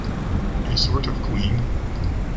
A sort of queen.